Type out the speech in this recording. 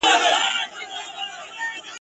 د مُلا په عدالت کي د حق چیغه یم په دار یم !.